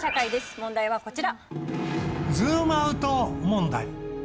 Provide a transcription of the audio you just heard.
問題はこちら。